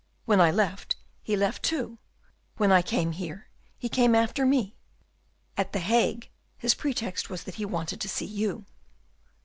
When I left, he left too; when I came here, he came after me. At the Hague his pretext was that he wanted to see you."